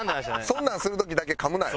そんなんする時だけかむなよ。